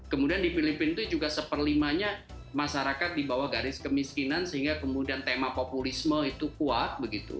kemudian di filipina itu juga seperlimanya masyarakat di bawah garis kemiskinan sehingga kemudian tema populisme itu kuat begitu